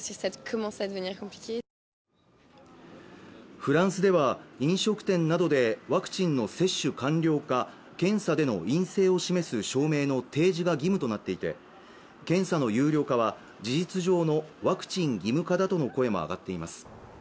フランスでは飲食店などでワクチンの接種完了か検査での陰性を示す証明の提示が義務となっていて検査の有料化は事実上のワクチン義務化だとの声も上がっています